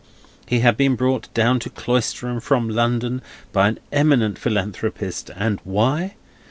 He had been brought down to Cloisterham, from London, by an eminent Philanthropist, and why?